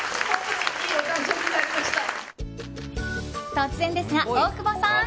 突然ですが、大久保さん。